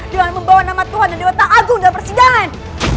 dengan membawa nama tuhan dan dewata agung dalam persidangan